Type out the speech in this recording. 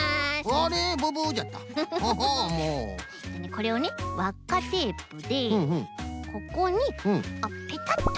これをねわっかテープでここにペタッと。